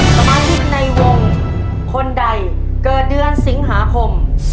สมาชิกในวงคนใดเกิดเดือนสิงหาคม